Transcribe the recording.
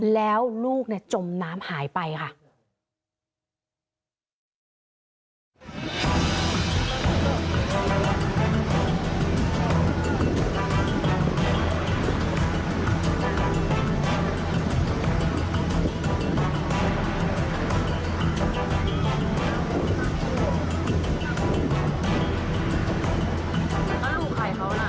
แล้วลูกจมน้ำหายไปค่ะ